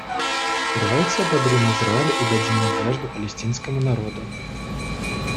Давайте ободрим Израиль и дадим надежду палестинскому народу.